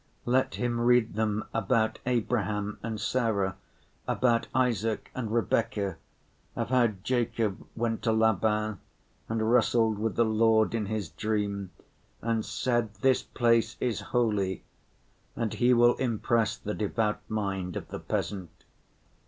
Let him read them about Abraham and Sarah, about Isaac and Rebecca, of how Jacob went to Laban and wrestled with the Lord in his dream and said, "This place is holy"—and he will impress the devout mind of the peasant.